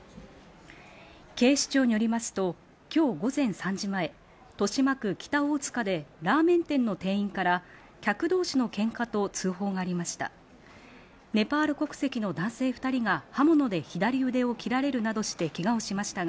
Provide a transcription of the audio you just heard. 警視庁によりますと今日午前３時前、豊島区北大塚でラーメン店の定員から客同士のけんかと通報がありました。